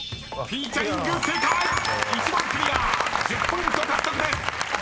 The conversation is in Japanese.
１０ポイント獲得です］